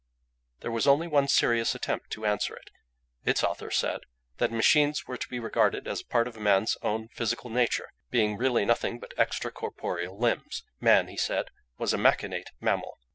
There was only one serious attempt to answer it. Its author said that machines were to be regarded as a part of man's own physical nature, being really nothing but extra corporeal limbs. Man, he said, was a machinate mammal.